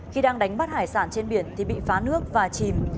khi đang đánh bắt hải sản trên biển thì bị phá nước và chìm